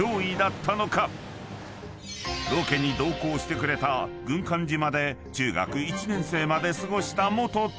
［ロケに同行してくれた軍艦島で中学１年生まで過ごした元島民は］